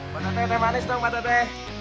pak tante teh manis dong pak tante